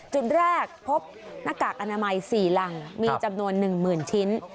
จุดแรกพบหน้ากากอนามัย๔รังมีจำนวน๑๐๐๐ชิ้น